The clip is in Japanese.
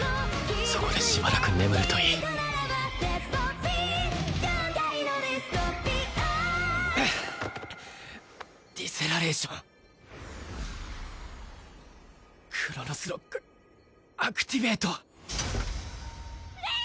そこでしばらく眠るといいディセラレーションクロノスロックアクティベートレイ！